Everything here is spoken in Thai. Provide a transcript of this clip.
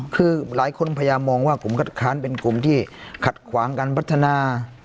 คือหลายคนพยายามมองว่ากลุ่มคัดค้านเป็นกลุ่มที่ขัดขวางการพัฒนา